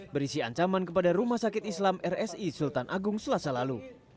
berisi ancaman kepada rumah sakit islam rsi sultan agung selasa lalu